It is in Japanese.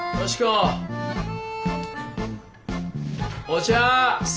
お茶。